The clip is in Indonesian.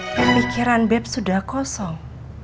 pelikiran beb sudah kosong